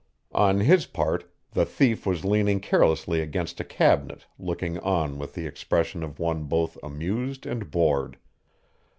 On his part the thief was leaning carelessly against a cabinet looking on with the expression of one both amused and bored.